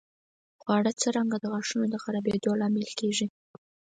خواړه څرنګه د غاښونو د خرابېدو لامل کېږي؟